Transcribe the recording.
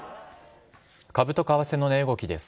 株と為替の値動きです。